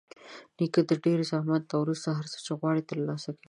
نیکه د ډېر زحمت نه وروسته هر څه چې غواړي ترلاسه کوي.